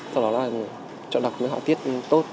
sau đó là chọn đặt những họa tiết tốt